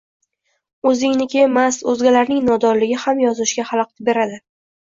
O’zingniki emas, o’zgalarning nodonligi ham yozishga halaqit beradi.